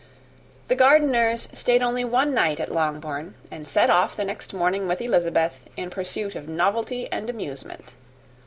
The Gardiners stayed only one night at Longbourn, and set off the next morning with Elizabeth in pursuit of novelty and amusement.